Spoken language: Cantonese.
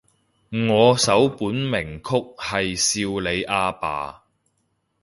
我首本名曲係少理阿爸